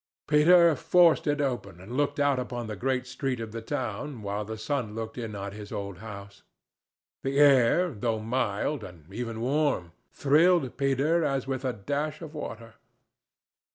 Peter forced it open and looked out upon the great street of the town, while the sun looked in at his old house. The air, though mild, and even warm, thrilled Peter as with a dash of water.